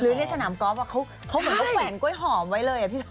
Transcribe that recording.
หรือในสนามกอล์ฟอะเขาเหมือนก็แขวนกล้วยหอมไว้เลยอะพี่ท็อป